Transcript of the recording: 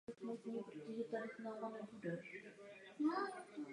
Jak jste uvedl, nezaměstnanost vzbuzuje obavy zvláště u mladých lidí.